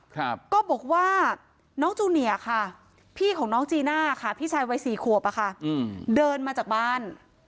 ก็บอกว่าน้องจูเนียค่ะพี่ของน้องจีน่าค่ะพี่ชายวัยสี่ขวบอ่ะค่ะอืมเดินมาจากบ้าน